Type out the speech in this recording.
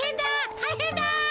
たいへんだ。